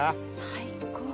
最高。